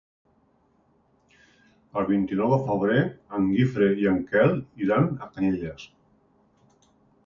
El vint-i-nou de febrer en Guifré i en Quel iran a Canyelles.